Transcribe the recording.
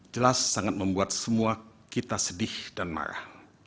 jelas sangat membuat semua kita sedih dan marah